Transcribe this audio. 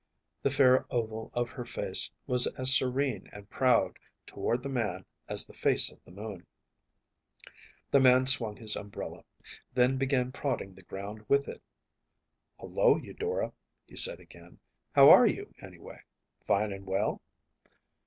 The fair oval of her face was as serene and proud toward the man as the face of the moon. The man swung his umbrella, then began prodding the ground with it. “Hullo, Eudora,‚ÄĚ he said again; then he added: “How are you, anyway? Fine and well?